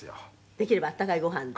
「できれば温かいご飯で？」